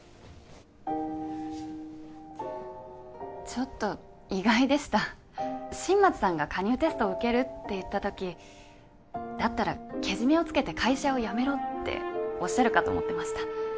ちょっと意外でした新町さんが加入テストを受けるって言った時だったらけじめをつけて会社をやめろっておっしゃるかと思ってました